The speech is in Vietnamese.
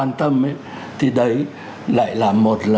dẫn đến những cái người mà tôi quan tâm ấy thì đấy lại là một lần nữa